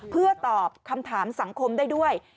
เพื่อตอบคำถามสังคมได้ด้วย